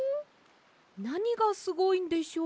なにがすごいんでしょう？